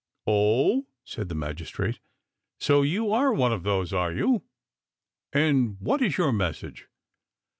" Oh !" said the magistrate. " So you are one of those, are you ? And what is your message